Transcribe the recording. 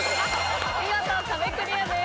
見事壁クリアです。